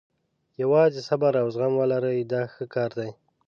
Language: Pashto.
یوازې صبر او زغم ولره دا ښه کار دی.